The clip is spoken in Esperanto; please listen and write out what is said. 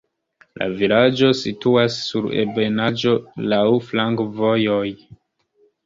La vilaĝo situas sur ebenaĵo, laŭ flankovojoj.